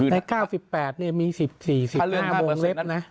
ใน๙๘มี๑๔๑๕โมงเล็บนะ